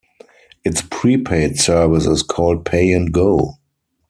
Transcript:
Its prepaid service is called Pay and Go.